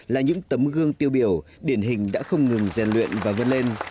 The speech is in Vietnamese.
là những tấm gương tiêu biểu điển hình đã không ngừng gian luyện và vươn lên